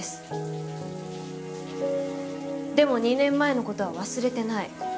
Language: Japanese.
でも２年前の事は忘れてない。